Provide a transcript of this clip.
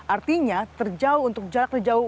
artinya terjauh untuk jarak terjauh